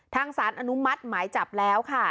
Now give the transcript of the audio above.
สารอนุมัติหมายจับแล้วค่ะ